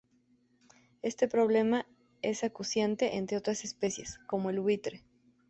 Este problema es acuciante en otras especies, como el buitre.